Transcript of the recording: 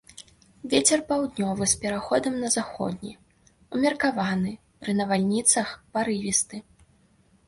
Вецер паўднёвы з пераходам на заходні, умеркаваны, пры навальніцах парывісты.